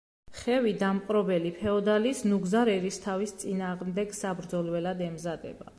ხევი დამპყრობელი ფეოდალის, ნუგზარ ერისთავის წინააღმდეგ საბრძოლველად ემზადება.